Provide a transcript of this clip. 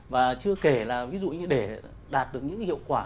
và chưa kể là ví dụ như để đạt được những hiệu quả